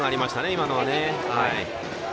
今のはね。